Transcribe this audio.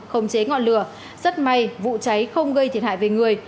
không chế ngọn lửa rất may vụ cháy không gây thiệt hại về người